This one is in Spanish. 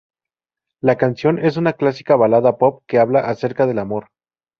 La canción es una clásica balada pop que habla acerca del amor.